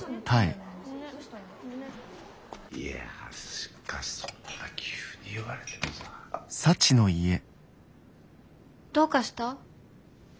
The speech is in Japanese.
いやしかしそんな急に言われてもさ。どうかした？